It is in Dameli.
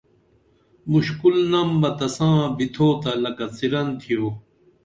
مُشکُل نم بہ تساں بِتُھتہ لکہ څِرَن تِھیو